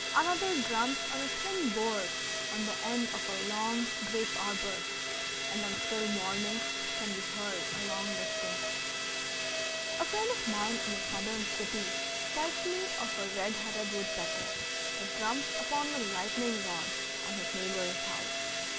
Another drums on a thin board on the end of a long grape arbor, and on still mornings can be heard a long distance. A friend of mine in a Southern city tells me of a red headed woodpecker that drums upon a lightning rod on his neighbor's house.